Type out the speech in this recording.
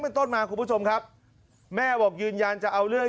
เป็นต้นมาคุณผู้ชมครับแม่บอกยืนยันจะเอาเรื่อง